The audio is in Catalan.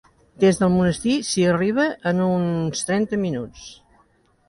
Des del Monestir s’hi arriba en uns trenta minuts.